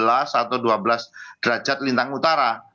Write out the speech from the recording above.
atau dua belas derajat lintang utara